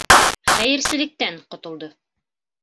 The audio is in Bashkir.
Хәйерселектән ҡотолдо!